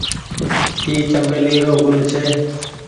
اي چمبيلي رو گل ڇي۔